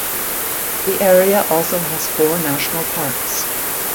The area also has four national parks.